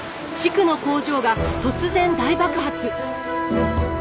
地区の工場が突然大爆発。